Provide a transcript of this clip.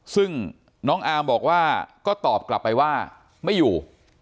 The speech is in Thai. ซึ่งน้องอาร์มบอกว่าก็ตอบกลับไปว่าไม่อยู่